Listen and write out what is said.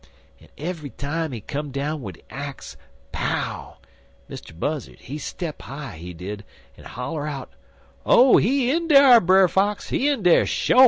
En eve'y time he come down wid de axe pow! Mr. Buzzard, he step high, he did, en holler out: "'Oh, he in dar, Brer Fox. He in dar, sho.'